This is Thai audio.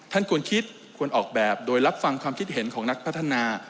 ควรคิดควรออกแบบโดยรับฟังความคิดเห็นของนักพัฒนา